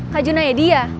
kak junaedi ya